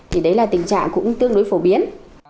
thì đấy là tình trạng cũng tương đối phổ biến